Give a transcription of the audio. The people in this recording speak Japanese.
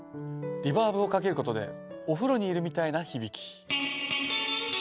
リバーブをかけることでお風呂にいるみたいな響き。